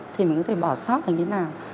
thì mình có thể bỏ sót hay như thế nào